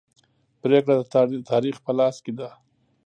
پریکړه د تاریخ په لاس کې ده.